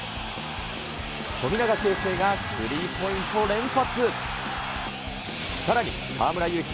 富永啓生がスリーポイントを連発。